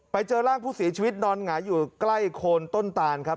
ไปเจอร่างผู้เสียชีวิตนอนหงายอยู่ใกล้โคนต้นตานครับ